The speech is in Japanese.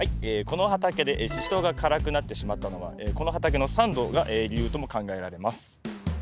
この畑でシシトウが辛くなってしまったのはこの畑の酸度が理由とも考えられます。